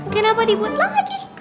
kenapa dibuat lagi